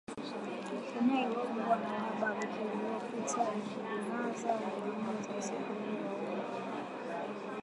Kenya ilikumbwa na uhaba wiki iliyopita, ikidumaza huduma za usafiri wa umma